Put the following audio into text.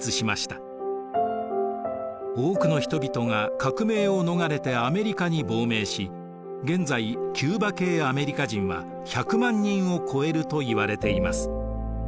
多くの人々が革命を逃れてアメリカに亡命し現在キューバ系アメリカ人は１００万人を超えるといわれています。